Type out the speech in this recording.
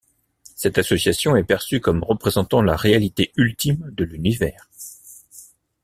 Cette association est perçue comme représentant la réalité ultime de l'univers.